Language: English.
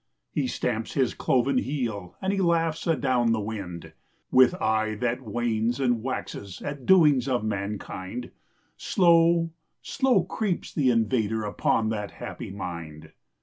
He stamps his cloven heel, and he laughs adown the wind, With eye that wanes and waxes at doings of mankind. Slow, slow creeps the invader upon that happy mind.